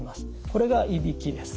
これがいびきです。